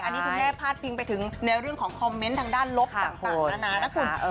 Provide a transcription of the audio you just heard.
อันนี้คุณแม่พาดพิงไปถึงในเรื่องของคอมเมนต์ทางด้านลบต่างนานานะคุณ